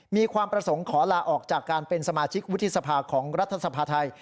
มีความประสงค์ขอลาออกจากการเป็นสมาชิกวุฒิสภาของรัฐสภาไทย